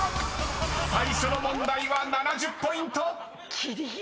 ［最初の問題は７０ポイント］ぎりぎりだ。